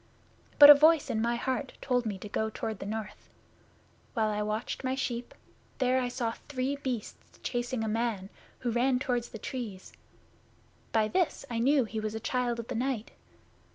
But a voice in my heart told me to go toward the north. While I watched my sheep there I saw three Beasts chasing a man, who ran toward the Trees. By this I knew he was a Child of the Night.